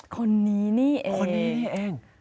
คนนี้นี่เองคนนี้นี่เองคนนี้นี่เอง